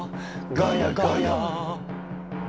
ガヤ！ガヤ！」